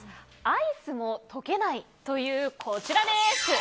アイスも溶けないというこちら。